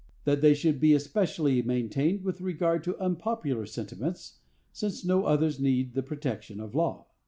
That they should be especially maintained with regard to unpopular sentiments, since no others need the protection of law.